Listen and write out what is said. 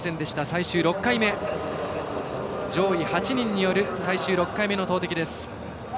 最終６回目、上位８人による最終６回目の投てきです。